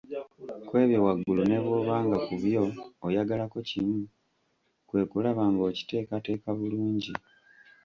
Kw’ebyo waggulu ne bw’oba nga ku byo ayagalako kimu kwe kulaba ng’okiteekateeka bulungi.